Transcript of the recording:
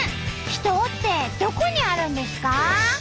秘湯ってどこにあるんですか？